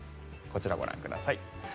こちら、ご覧ください。